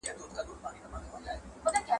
توره شپه ده مرمۍ اوري نه پوهیږو څوک مو ولي!